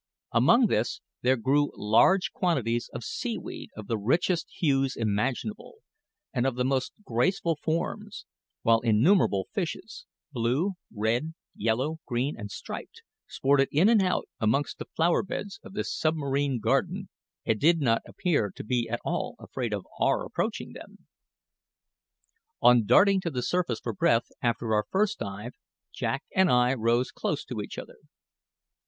Among this there grew large quantities of seaweed of the richest hues imaginable, and of the most graceful forms; while innumerable fishes blue, red, yellow, green, and striped sported in and out amongst the flower beds of this submarine garden, and did not appear to be at all afraid of our approaching them. On darting to the surface for breath after our first dive, Jack and I rose close to each other.